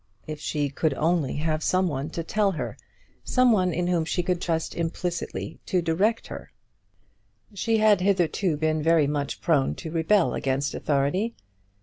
If she could only have had some one to tell her, some one in whom she could trust implicitly to direct her! She had hitherto been very much prone to rebel against authority.